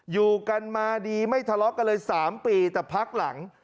อยู่กันมาดีไม่ทะเลาะกันเลย๓ปีแต่พักหลัง